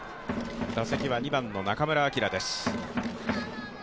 打席は２番の中村晃です。